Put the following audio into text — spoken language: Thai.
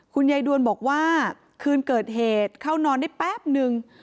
ยายดวนบอกว่าคืนเกิดเหตุเข้านอนได้แป๊บนึง